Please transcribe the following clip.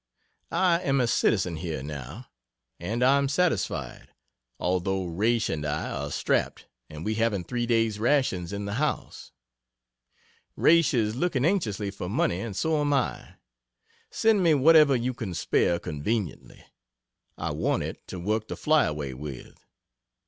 I am a citizen here now, and I am satisfied although R. and I are strapped and we haven't three days' rations in the house. Raish is looking anxiously for money and so am I. Send me whatever you can spare conveniently I want it to work the Flyaway with.